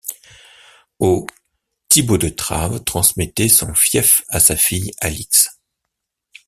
Au Thibaud de Traves transmettait son fief à sa fille Alix.